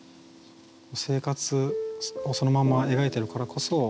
生活をそのまま描いてるからこそ。